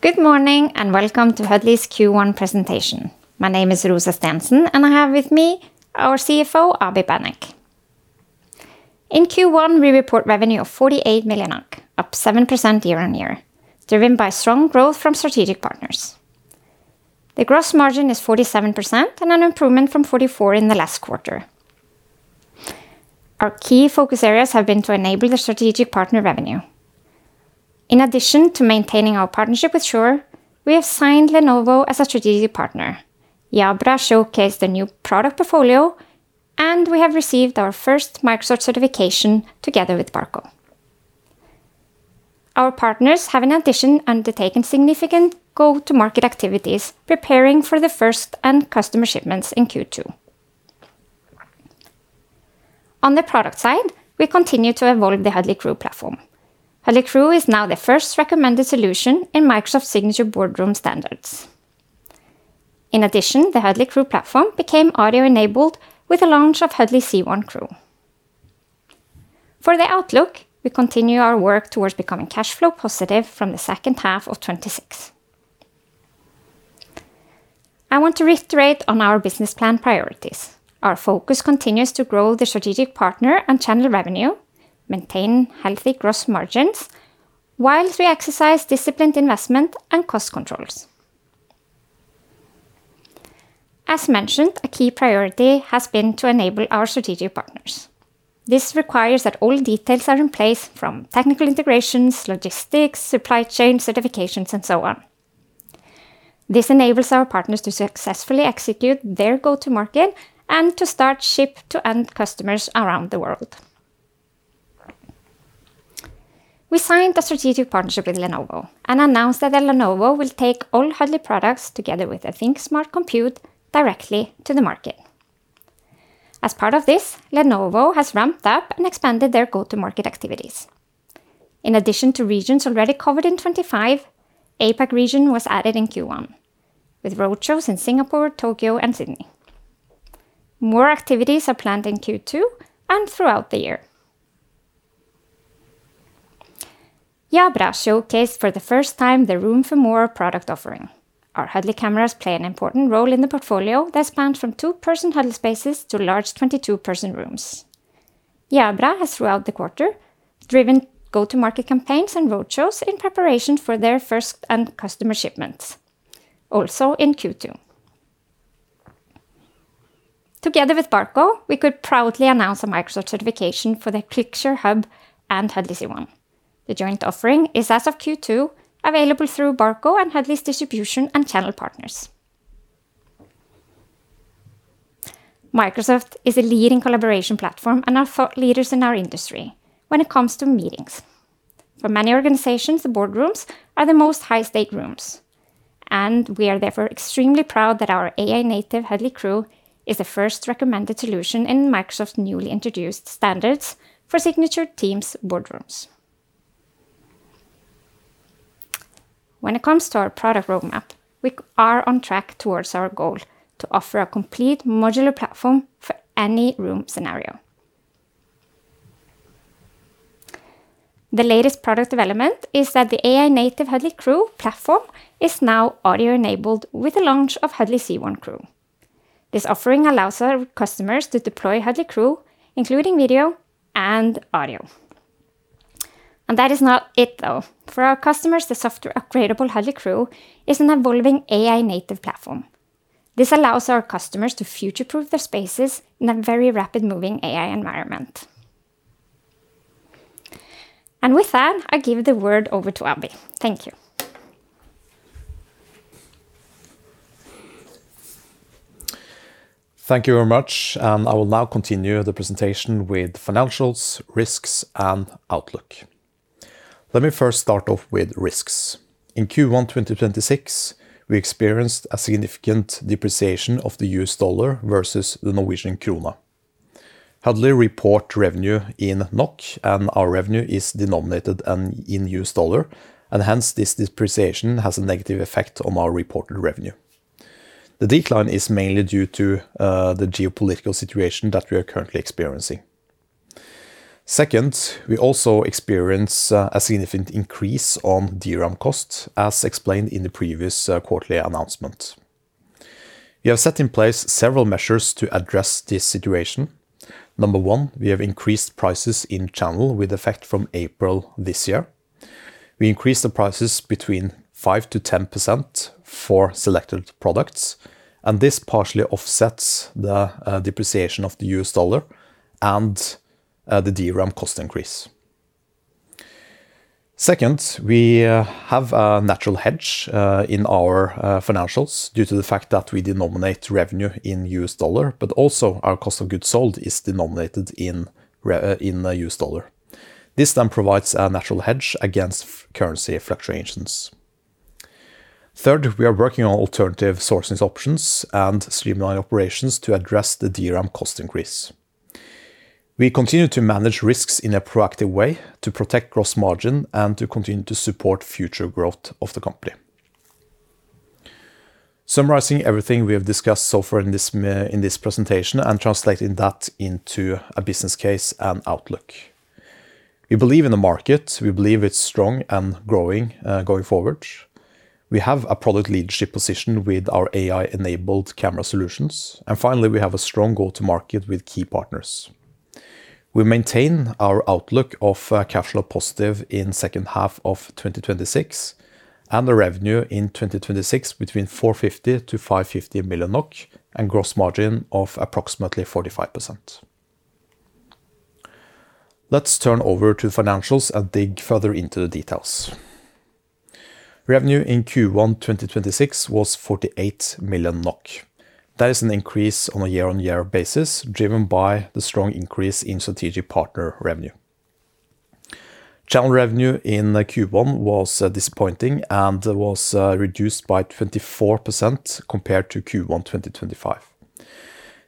Good morning, and welcome to Huddly's Q1 presentation. My name is Rósa Stensen, and I have with me our CFO, Abhi Banik. In Q1, we report revenue of 48 million, up 7% year-on-year, driven by strong growth from strategic partners. The gross margin is 47% and an improvement from 44% in the last quarter. Our key focus areas have been to enable the strategic partner revenue. In addition to maintaining our partnership with Shure, we have signed Lenovo as a strategic partner. Jabra showcased a new product portfolio, and we have received our first Microsoft certification together with Barco. Our partners have in addition undertaken significant go-to-market activities, preparing for the first end-customer shipments in Q2. On the product side, we continue to evolve the Huddly Crew platform. Huddly Crew is now the first recommended solution in Microsoft Signature Teams Rooms. In addition, the Huddly Crew platform became audio enabled with the launch of Huddly C1 Crew. For the outlook, we continue our work towards becoming cash flow positive from the second half of 2026. I want to reiterate on our business plan priorities. Our focus continues to grow the strategic partner and channel revenue, maintain healthy gross margins while we exercise disciplined investment and cost controls. As mentioned, a key priority has been to enable our strategic partners. This requires that all details are in place from technical integrations, logistics, supply chain certifications, and so on. This enables our partners to successfully execute their go to market and to start ship to end customers around the world. We signed a strategic partnership with Lenovo and announced that Lenovo will take all Huddly products together with the ThinkSmart Core directly to the market. As part of this, Lenovo has ramped up and expanded their go-to-market activities. In addition to regions already covered in 2025, APAC region was added in Q1, with roadshows in Singapore, Tokyo, and Sydney. More activities are planned in Q2 and throughout the year. Jabra showcased for the first time the Room for More product offering. Our Huddly cameras play an important role in the portfolio that spans from two-person huddle spaces to large 22-person rooms. Jabra has throughout the quarter driven go-to-market campaigns and roadshows in preparation for their first end customer shipments, also in Q2. Together with Barco, we could proudly announce a Microsoft certification for the ClickShare Hub and Huddly C1. The joint offering is, as of Q2, available through Barco and Huddly's distribution and channel partners. Microsoft is a leading collaboration platform and are thought leaders in our industry when it comes to meetings. For many organizations, the boardrooms are the most high-stake rooms, and we are therefore extremely proud that our AI native Huddly Crew is the first recommended solution in Microsoft newly introduced standards for Signature Teams Rooms. When it comes to our product roadmap, we are on track towards our goal to offer a complete modular platform for any room scenario. The latest product development is that the AI native Huddly Crew platform is now audio enabled with the launch of Huddly C1 Crew. This offering allows our customers to deploy Huddly Crew, including video and audio. That is not it, though. For our customers, the software upgradeable Huddly Crew is an evolving AI native platform. This allows our customers to future-proof their spaces in a very rapid moving AI environment. With that, I give the word over to Abhi. Thank you. Thank you very much. I will now continue the presentation with financials, risks, and outlook. Let me first start off with risks. In Q1 2026, we experienced a significant depreciation of the U.S. dollar versus the Norwegian krone. Huddly report revenue in NOK, and our revenue is denominated in U.S. dollar, and hence this depreciation has a negative effect on our reported revenue. The decline is mainly due to the geopolitical situation that we are currently experiencing. Second, we also experience a significant increase on DRAM costs, as explained in the previous quarterly announcement. We have set in place several measures to address this situation. Number one, we have increased prices in channel with effect from April this year. We increased the prices between 5%-10% for selected products, and this partially offsets the depreciation of the U.S. dollar and the DRAM cost increase. Second, we have a natural hedge in our financials due to the fact that we denominate revenue in U.S. dollar, but also our cost of goods sold is denominated in U.S. dollar. This provides a natural hedge against currency fluctuations. Third, we are working on alternative sourcing options and streamline operations to address the DRAM cost increase. We continue to manage risks in a proactive way to protect gross margin and to continue to support future growth of the company. Summarizing everything we have discussed so far in this presentation and translating that into a business case and outlook. We believe in the market. We believe it's strong and growing, going forward. We have a product leadership position with our AI-enabled camera solutions. Finally, we have a strong go-to-market with key partners. We maintain our outlook of cash flow positive in second half of 2026, and the revenue in 2026 between 450 million-550 million NOK and gross margin of approximately 45%. Let's turn over to financials and dig further into the details. Revenue in Q1 2026 was 48 million NOK. That is an increase on a year-on-year basis, driven by the strong increase in strategic partner revenue. Channel revenue in Q1 was disappointing and was reduced by 24% compared to Q1 2025.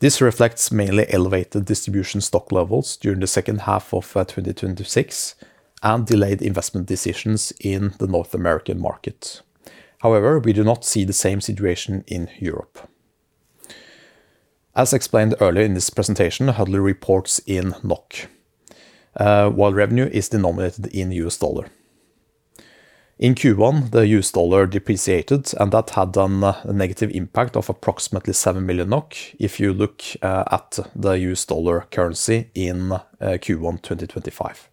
This reflects mainly elevated distribution stock levels during the second half of 2026 and delayed investment decisions in the North American market. However, we do not see the same situation in Europe. As explained earlier in this presentation, Huddly reports in NOK, while revenue is denominated in U.S. dollar. In Q1, the U.S. dollar depreciated, and that had done a negative impact of approximately 7 million NOK if you look at the U.S. dollar currency in Q1 2025.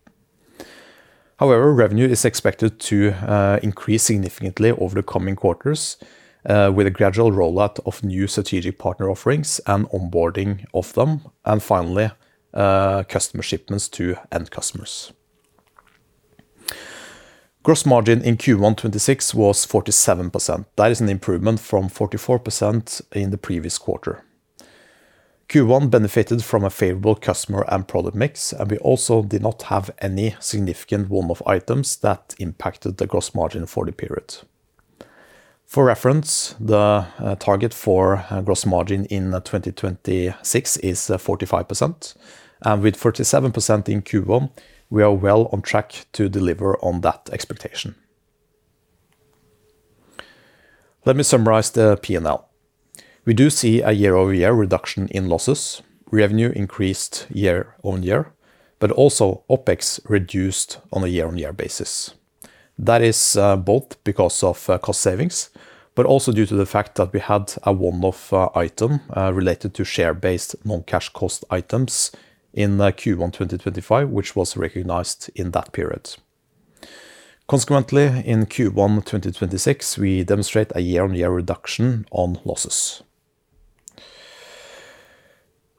However, revenue is expected to increase significantly over the coming quarters, with a gradual rollout of new strategic partner offerings and onboarding of them and finally, customer shipments to end customers. Gross margin in Q1 2026 was 47%. That is an improvement from 44% in the previous quarter. Q1 benefited from a favorable customer and product mix, and we also did not have any significant one-off items that impacted the gross margin for the period. For reference, the target for gross margin in 2026 is 45%. With 47% in Q1, we are well on track to deliver on that expectation. Let me summarize the P&L. We do see a year-over-year reduction in losses. Revenue increased year-on-year, but also OpEx reduced on a year-on-year basis. That is both because of cost savings, but also due to the fact that we had a one-off item related to share-based non-cash cost items in Q1 2025, which was recognized in that period. Consequently, in Q1 2026, we demonstrate a year-on-year reduction on losses.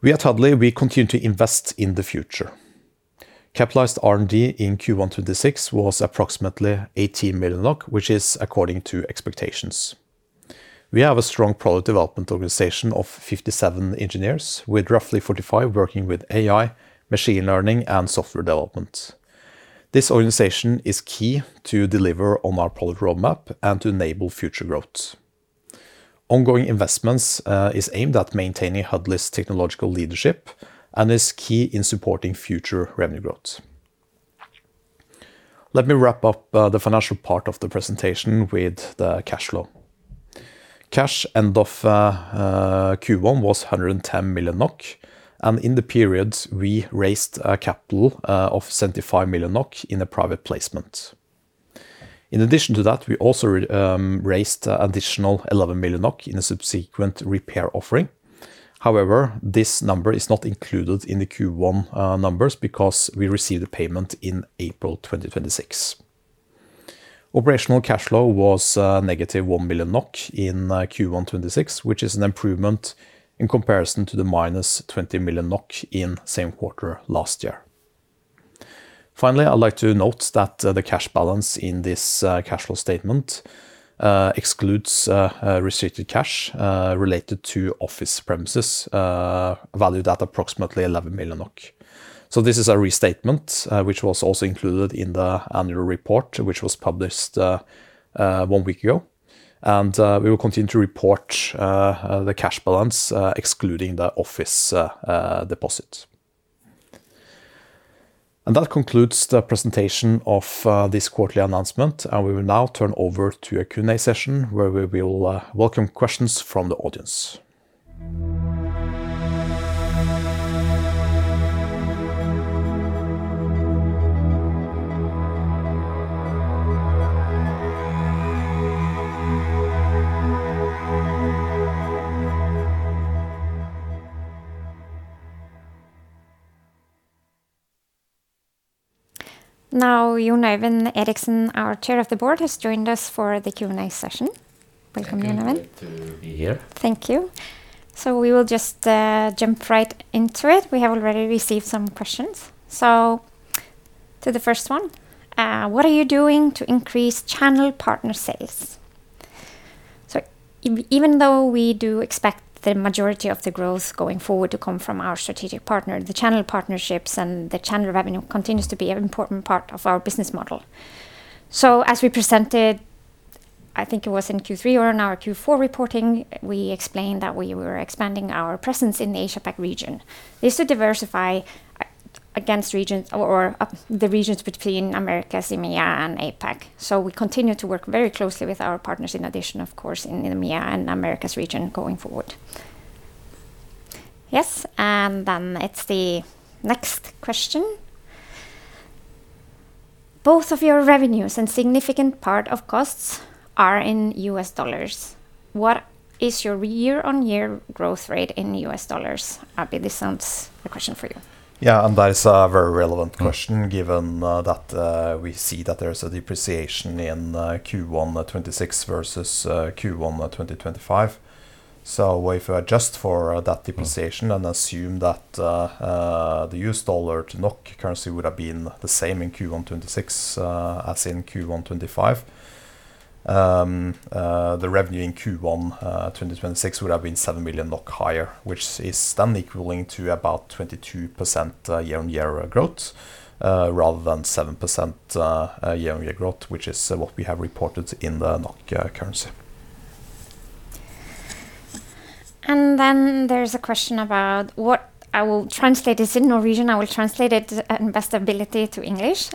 We at Huddly, we continue to invest in the future. Capitalized R&D in Q1 2026 was approximately 18 million, which is according to expectations. We have a strong product development organization of 57 engineers, with roughly 45 working with AI, machine learning, and software development. This organization is key to deliver on our product roadmap and to enable future growth. Ongoing investments is aimed at maintaining Huddly's technological leadership and is key in supporting future revenue growth. Let me wrap up the financial part of the presentation with the cash flow. Cash end of Q1 was 110 million NOK, and in the period, we raised a capital of 75 million NOK in a private placement. In addition to that, we also raised additional 11 million NOK in a subsequent repair offering. However, this number is not included in the Q1 numbers because we received the payment in April 2026. Operational cash flow was -1 million NOK in Q1 2026, which is an improvement in comparison to the -20 million NOK in same quarter last year. Finally, I'd like to note that the cash balance in this cash flow statement excludes restricted cash related to office premises, valued at approximately 11 million NOK. This is a restatement, which was also included in the annual report, which was published one week ago. We will continue to report the cash balance excluding the office deposit. That concludes the presentation of this quarterly announcement, and we will now turn over to a Q&A session where we will welcome questions from the audience. Now, Jon Øyvind Eriksen, our Chair of the Board, has joined us for the Q&A session. Welcome, Jon Øyvind. Thank you. Great to be here. Thank you. We will just jump right into it. We have already received some questions. To the first one, what are you doing to increase channel partner sales? Even though we do expect the majority of the growth going forward to come from our strategic partner, the channel partnerships and the channel revenue continues to be an important part of our business model. As we presented, I think it was in Q3 or in our Q4 reporting, we explained that we were expanding our presence in the Asia-Pac region. This would diversify against regions or the regions between Americas, EMEA and APAC. We continue to work very closely with our partners in addition, of course, in EMEA and Americas region going forward. It's the next question. Both of your revenues and significant part of costs are in U.S. dollars. What is your year-on-year growth rate in U.S. dollars? Abhi, this sounds a question for you. That is a very relevant question given that we see that there's a depreciation in Q1 2026 versus Q1 2025. If you adjust for that depreciation and assume that the U.S. dollar to NOK currency would have been the same in Q1 2026 as in Q1 2025. The revenue in Q1 2026 would have been 7 million NOK higher, which is then equaling to about 22% year-on-year growth, rather than 7% year-on-year growth, which is what we have reported in the NOK currency. There's a question about what I will translate. This is in Norwegian. I will translate it at best ability to English.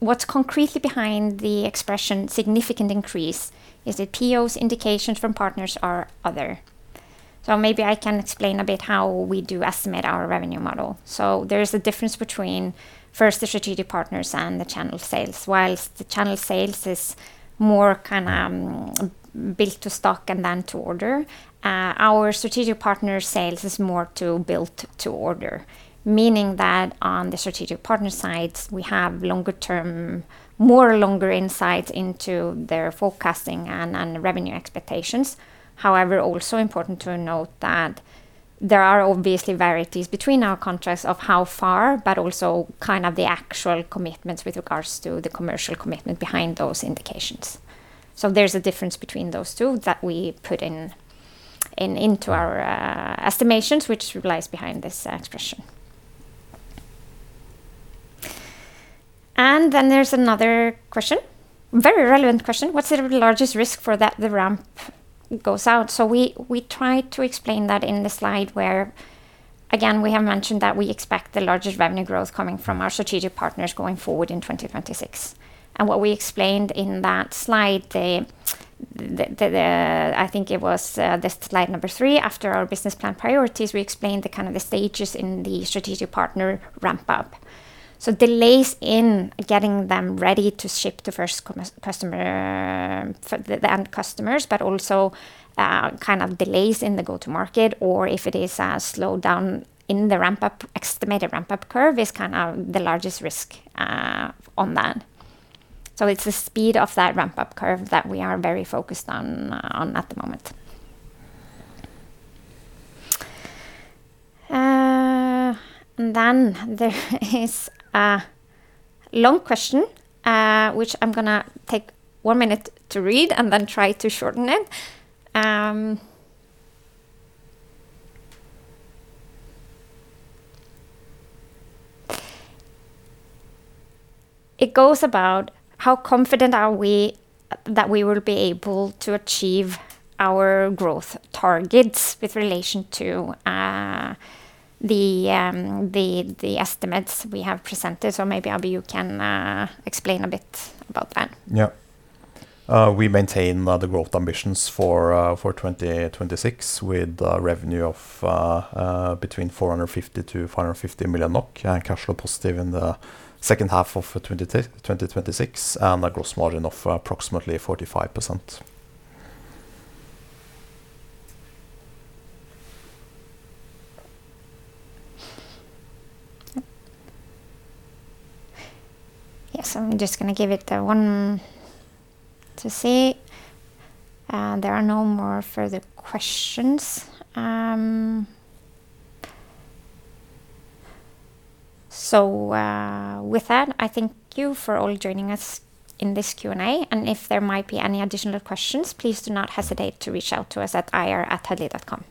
What's concretely behind the expression significant increase? Is it POs, indications from partners or other? Maybe I can explain a bit how we do estimate our revenue model. There is a difference between, first, the strategic partners and the channel sales. Whilst the channel sales is more kinda built to stock and then to order, our strategic partner sales is more to built to order. Meaning that on the strategic partner sides, we have longer term, more longer insights into their forecasting and revenue expectations. However, also important to note that there are obviously varieties between our contracts of how far, but also kind of the actual commitments with regards to the commercial commitment behind those indications. There's a difference between those two that we put into our estimations, which lies behind this expression. There's another question, very relevant question. What's the largest risk for that the ramp goes out? We tried to explain that in the slide where, again, we have mentioned that we expect the largest revenue growth coming from our strategic partners going forward in 2026. What we explained in that slide, the, I think it was the slide number three, after our business plan priorities, we explained the kind of the stages in the strategic partner ramp-up. Delays in getting them ready to ship the first customer for the end customers, but also, kind of delays in the go-to market or if it is a slowdown in the ramp-up, estimated ramp-up curve is kind of the largest risk on that. It's the speed of that ramp-up curve that we are very focused on at the moment. Then there is a long question, which I'm gonna take one minute to read and then try to shorten it. It goes about how confident are we that we will be able to achieve our growth targets with relation to the estimates we have presented. Maybe, Abhi, you can explain a bit about that. We maintain the growth ambitions for 2026 with revenue of between 450 million-550 million NOK and cash flow positive in the second half of 2026, and a gross margin of approximately 45%. Yes, I'm just gonna give it one to see. There are no more further questions. With that, I thank you for all joining us in this Q&A. If there might be any additional questions, please do not hesitate to reach out to us at ir@huddly.com. Thank you.